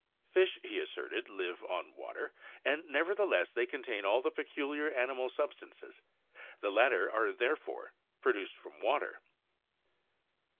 Fish, he asserted, live on water, and nevertheless, they contain all the peculiar animal sub stances; the latter are therefore produced from water.